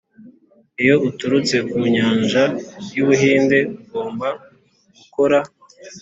iyo uturutse ku nyanja y'ubuhinde ugomba gukora